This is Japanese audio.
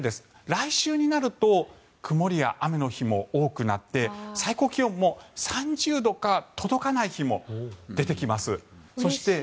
来週になると曇りや雨の日も多くなって最高気温も３０度に届かない日も多くなります。